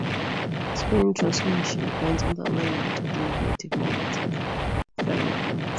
Spin transmission depends on the alignment of magnetic moments in the ferromagnets.